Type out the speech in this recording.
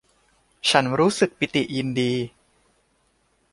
ฉันรู้สึกปิติยินดี